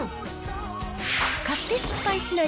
買って失敗しない！